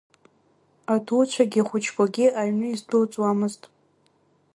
Адуцәагьы, ахәыҷқәагьы аҩны издәылҵуамзт.